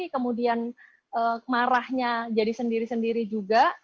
kemudian marahnya jadi sendiri sendiri juga